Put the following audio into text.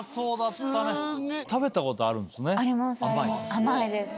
甘いです。